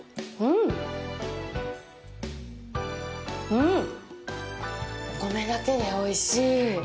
うん、お米だけでおいしい。